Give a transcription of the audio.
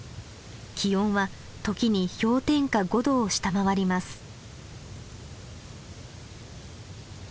気温は時に氷点下５度を下回ります。